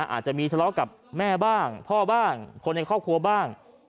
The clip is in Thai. อาจจะมีทะเลาะกับแม่บ้างพ่อบ้างคนในครอบครัวบ้าง